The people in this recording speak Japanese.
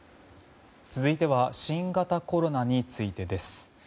続いては新型コロナについてです。